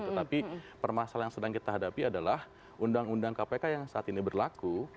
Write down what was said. tetapi permasalahan yang sedang kita hadapi adalah undang undang kpk yang saat ini berlaku